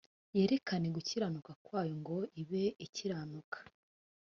yerekane gukiranuka kwayo ngo ibe ikiranuka